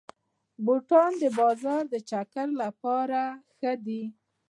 بوټونه د بازار د چکر لپاره ښه دي.